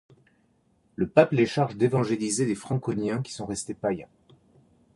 Le pape les charge d'évangéliser les Franconiens qui sont restés païens.